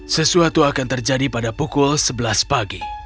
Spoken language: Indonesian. sesuatu akan terjadi pada pukul sebelas pagi